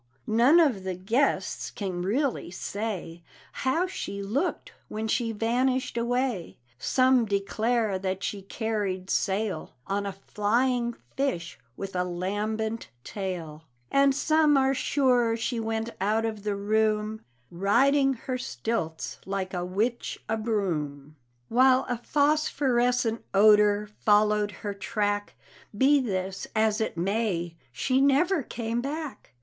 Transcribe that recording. None of the guests can really say How she looked when she vanished away. Some declare that she carried sail On a flying fish with a lambent tail; And some are sure she went out of the room Riding her stilts like a witch a broom, While a phosphorent odor followed her track: Be this as it may, she never came back.